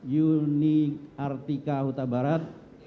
yuni artika utabarat